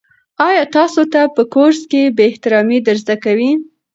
آیا تاسو ته په کورس کې بې احترامي در زده کوي؟